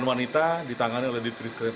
wanita ditangani oleh di triskep